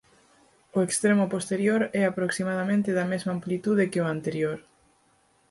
O extremo posterior é aproximadamente da mesma amplitude que o anterior.